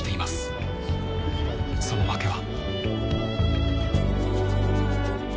その訳は。